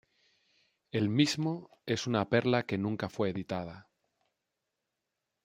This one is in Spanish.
El mismo es una perla que nunca fue editada.